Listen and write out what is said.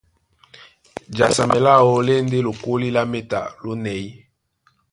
Jasamɛ láō lá e ndé lokólí lá méta lónɛ̌y.